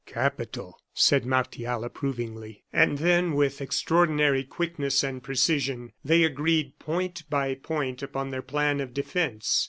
"Capital!" said Martial, approvingly. And then, with extraordinary quickness and precision, they agreed, point by point, upon their plan of defence.